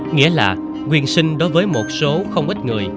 nghĩa là quyền sinh đối với một số không ít người